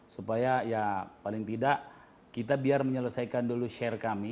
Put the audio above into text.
supaya ya paling tidak kita biar menyelesaikan dulu share kami